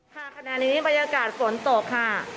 ขณะนี้บรรยากาศฝนตกค่ะ